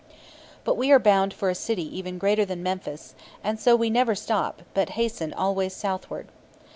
But we are bound for a city greater even than Memphis, and so we never stop, but hasten always southward.